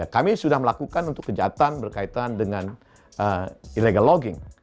kami sudah melakukan untuk kejahatan berkaitan dengan illegal logging